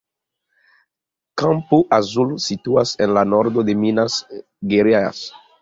Campo Azul situas en la nordo de Minas Gerais.